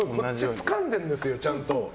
つかんでるんですよ、ちゃんと。